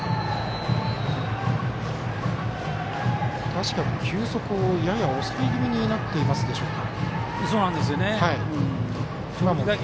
確かに球速はやや抑え気味になっていますでしょうか。